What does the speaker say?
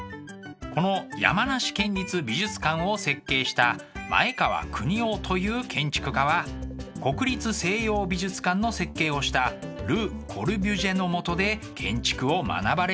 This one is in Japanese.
この山梨県立美術館を設計した前川國男という建築家は国立西洋美術館の設計をしたル・コルビュジエのもとで建築を学ばれたそうです。